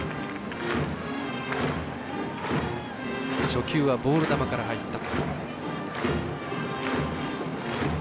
初球はボール球から入った。